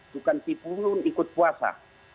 bukan tipu pun ikut puasa